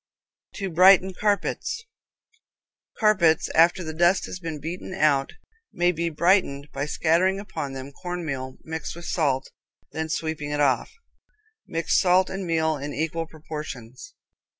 To Brighten Carpets. Carpets after the dust has been beaten out may be brightened by scattering upon them cornmeal mixed with salt and then sweeping it off. Mix salt and meal in equal proportions.